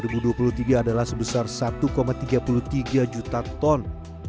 beras sebesar satu tiga puluh tiga juta ton